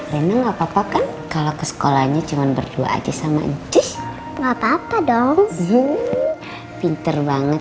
renang apa apa kan kalau ke sekolahnya cuman berdua aja sama encik papa dong pinter banget